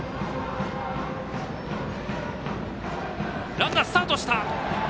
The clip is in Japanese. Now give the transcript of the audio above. ランナー、スタートした！